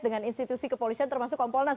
dengan institusi kepolisian termasuk kompolnas